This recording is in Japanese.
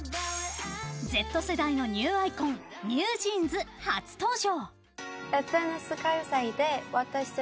Ｚ世代のニューアイコンＮｅｗＪｅａｎｓ、初登場。